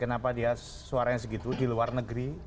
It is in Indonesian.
kenapa dia suaranya segitu di luar negeri